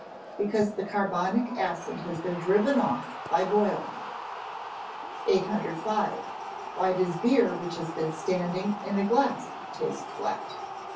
_ Because the carbonic acid has been driven off by boiling. 805. _Why does beer which has been standing in a glass taste flat?